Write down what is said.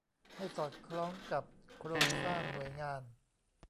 ให้สอดคล้องกับโครงสร้างหน่วยงาน